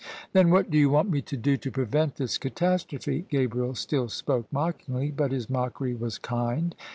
" Then what do you want me to do to prevent this catas trophe?" Gabriel still spoke mockingly, but his mockery was kind.